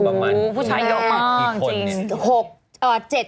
เพราะผู้ชายเยอะมากจริง